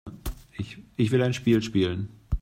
Ich will ein Spiel spielen.